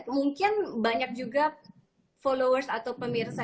mungkin banyak juga followers atau pemirsa